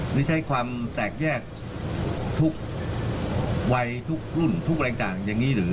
ไม่ใช่ความแตกแยกทุกวัยทุกรุ่นทุกอะไรต่างอย่างนี้หรือ